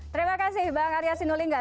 terima kasih bang arya sinulinga